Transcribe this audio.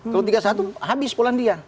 kalau tiga puluh satu habis polandia